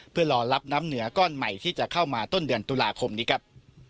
เพื่อรอรับน้ำเหนือก้อนใหม่ที่จะเข้ามาต้นเดือนตุลาคมนี้ครับ